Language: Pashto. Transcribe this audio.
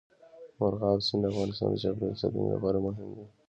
مورغاب سیند د افغانستان د چاپیریال ساتنې لپاره مهم دي.